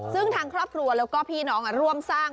ซึ่งทางครอบครัวแล้วก็พี่น้องร่วมสร้าง